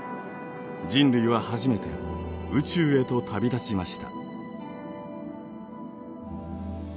人類は初めて宇宙へと旅立ちました。